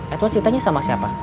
edward ceritanya sama siapa